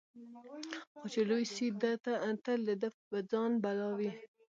خو چي لوی سي تل د ده په ځان بلاوي